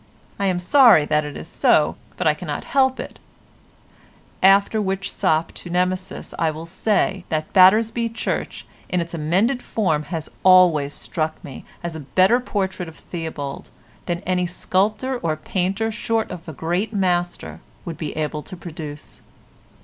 I am sorry that it is so, but I cannot help it—after which sop to Nemesis I will say that Battersby church in its amended form has always struck me as a better portrait of Theobald than any sculptor or painter short of a great master would be able to produce.